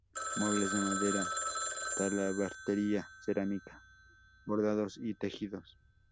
Muebles de madera, talabartería, cerámica, bordados y tejidos.